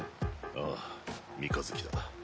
ああ三日月だ。